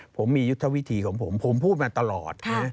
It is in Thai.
ผมมียุทธวิธีของผมผมพูดมาตลอด